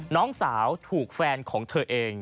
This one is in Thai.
น้องสาวถูกแฟนของเธอเอง